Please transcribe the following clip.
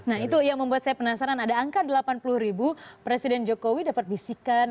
nah itu yang membuat saya penasaran ada angka delapan puluh ribu presiden jokowi dapat bisikan